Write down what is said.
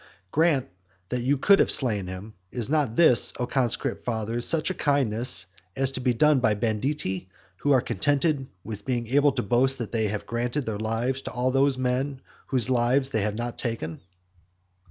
Grant that you could have slain him, is not this, O conscript fathers, such a kindness as is done by banditti, who are contented with being able to boast that they have granted their lives to all those men whose lives they have not taken?